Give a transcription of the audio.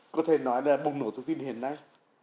có thể nói là bùng nổ thông tin hiện nay